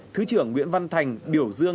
thứ trưởng nguyễn văn thành biểu dương